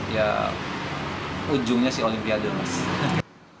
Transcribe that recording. ya ujungnya sih olimpiade mas